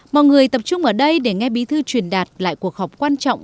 mọi người tập trung ở đây để nghe bí thư truyền đạt lại cuộc họp quan trọng